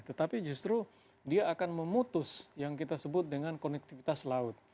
tetapi justru dia akan memutus yang kita sebut dengan konektivitas laut